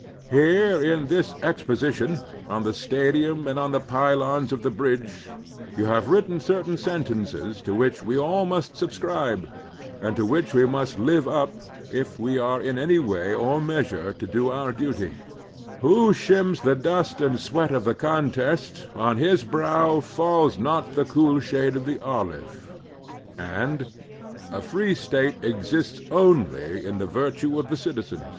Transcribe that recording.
Here in this exposition, on the stadium and on the pylons of the bridge, you have written certain sentences to which we all must subscribe, and to which we must live up if we are in any way or measure to do otu" duty: " Who shims the dust and sweat of the contest, on his brow falls not the cool shade of the olive," and A free state exists only in the virtue of the citizen."